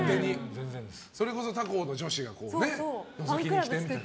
それこそ他校の女子がのぞきに来てみたいな。